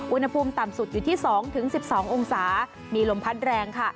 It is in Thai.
อุณหภูมิต่ำสุดอยู่ที่๒๑๒องศามีลมพัดแรงค่ะ